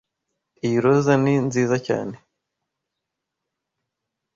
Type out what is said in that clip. Iyi roza ni nziza cyane.